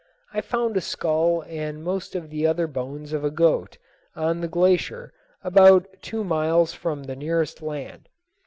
I found a skull and most of the other bones of a goat on the glacier about two miles from the nearest land.